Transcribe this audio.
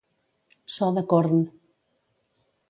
So de corn.